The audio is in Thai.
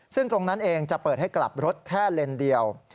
ซึ่งตรงนั้นเองจะเปิดให้กลับรถแค่เลนเดียว